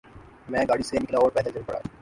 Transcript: میں گاڑی سے نکلا اور پیدل چل پڑا۔